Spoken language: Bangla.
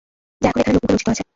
যা এখনো এখানের লোকমুখে রচিত আছে।